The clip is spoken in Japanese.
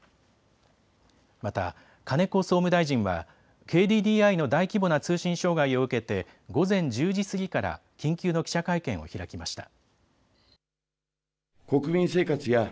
また金子総務大臣はＫＤＤＩの大規模な通信障害を受けて午前１０時過ぎから緊急の記者会見を開きました。